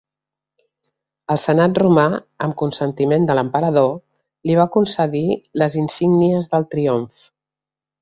El senat romà, amb consentiment de l'emperador, li va concedir les insígnies del triomf.